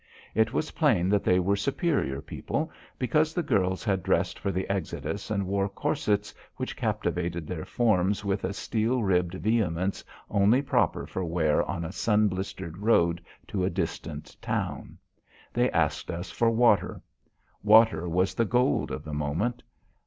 It was plain that they were superior people, because the girls had dressed for the exodus and wore corsets which captivated their forms with a steel ribbed vehemence only proper for wear on a sun blistered road to a distant town. They asked us for water. Water was the gold of the moment.